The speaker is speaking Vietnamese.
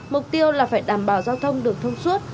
mục tiêu là phải đảm bảo giao thông được thông suốt